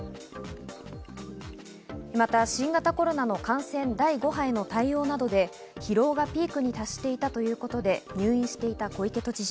また新型コロナの感染第５波への対応などで疲労がピークに達していたということで入院していた小池都知事。